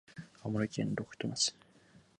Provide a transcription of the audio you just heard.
青森県六戸町